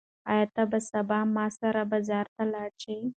ایا ته به سبا ما سره بازار ته لاړ شې؟